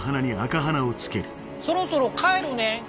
そろそろ帰るね！